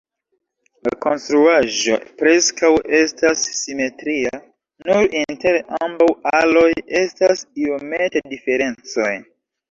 La konstruaĵo preskaŭ estas simetria, nur inter ambaŭ aloj estas iomete diferencoj.